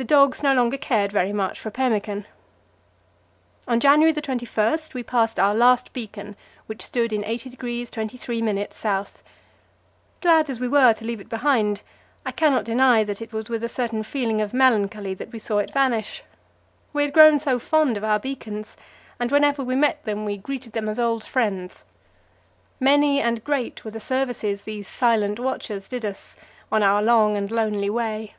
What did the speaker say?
The dogs no longer cared very much for pemmican. On January 21 we passed our last beacon, which stood in 80° 23' S. Glad as we were to leave it behind, I cannot deny that it was with a certain feeling of melancholy that we saw it vanish. We had grown so fond of our beacons, and whenever we met them we greeted them as old friends. Many and great were the services these silent watchers did us on our long and lonely way.